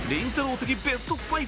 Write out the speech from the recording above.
的ベスト５